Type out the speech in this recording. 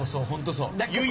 そう！